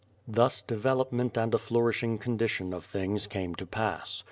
Thus development and a flourishing condition of things came to pass.